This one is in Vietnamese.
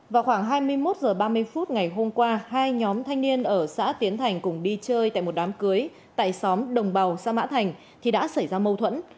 vào khoảng hai mươi một h ba mươi phút ngày hôm qua hai nhóm thanh niên ở xã tiến thành cùng đi chơi tại một đám cưới tại xóm đồng bào xã mã thành thì đã xảy ra mâu thuẫn